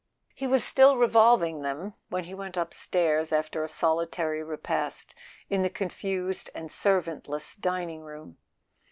He was still revolving them when he went upstairs after a solitary repast in the confused and servantless dining room.